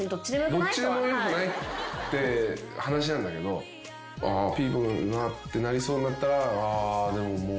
どっちでもよくない？って話なんだけどあピーポくんだなってなりそうになったらあでももう。